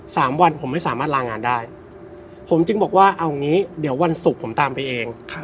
สามวันผมไม่สามารถลางานได้ผมจึงบอกว่าเอางี้เดี๋ยววันศุกร์ผมตามไปเอง